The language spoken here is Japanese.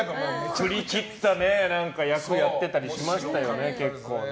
振り切った役をやってたりしましたよね、結構ね。